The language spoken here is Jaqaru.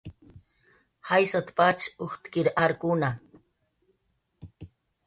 "Jaysat"" pach ujtkir arkuna"